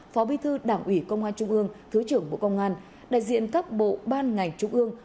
phó bi thư đảng ủy công an trung ương thứ trưởng bộ công an đại diện các bộ ban ngành trung ương